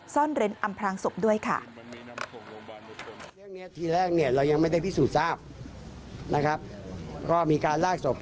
ซ่อนเร้นอำพลางศพด้วยค่ะ